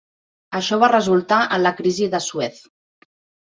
Això va resultar en la Crisi de Suez.